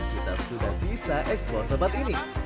kita sudah bisa eksplor tempat ini